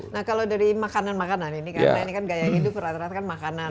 nah kalau dari makanan makanan ini karena ini kan gaya hidup rata rata kan makanan